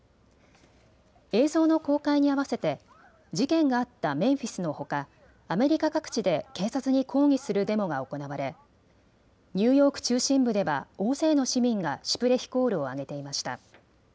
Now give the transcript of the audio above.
映像の公開に合わせて事件があったメンフィスのほかアメリカ各地で警察に抗議するデモが行われニューヨーク中心部では大勢の市民がシュプレヒコールを上げていました。